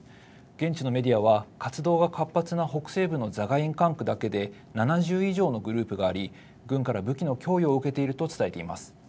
現地のメディアは活動が活発な北西部のザガイン管区だけで７０以上のグループがあり軍から武器の供与を受けていると伝えています。